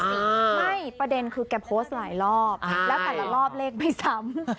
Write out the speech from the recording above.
ไม่ประเด็นคือแกโพสต์หลายรอบแล้วแต่ละรอบเลขไม่ซ้ำ